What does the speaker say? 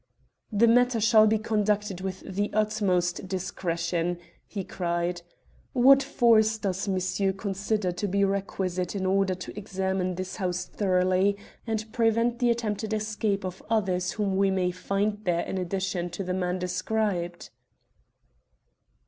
"The matter shall be conducted with the utmost discretion," he cried. "What force does monsieur consider to be requisite in order to examine this house thoroughly, and prevent the attempted escape of others whom we may find there in addition to the man described?"